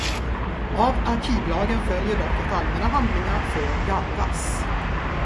Av arkivlagen följer dock att allmänna handlingar får gallras.